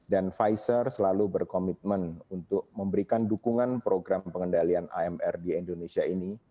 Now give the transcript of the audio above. dan pfizer selalu berkomitmen untuk memberikan dukungan program pengendalian amr di indonesia ini